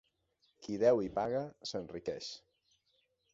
Qui deu i paga, s'enriqueix.